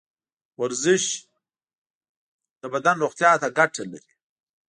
ورزش د بدن روغتیا ته ګټه لري.